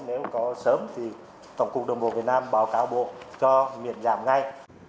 nếu có sớm thì tổng cục đồng bộ việt nam báo cáo bộ cho miễn giảm ngay